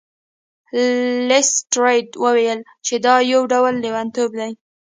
لیسټرډ وویل چې دا یو ډول لیونتوب دی.